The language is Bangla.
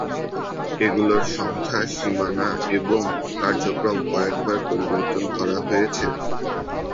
এগুলোর সংখ্যা, সীমানা এবং কার্যক্রম কয়েকবার পরিবর্তন করা হয়েছে।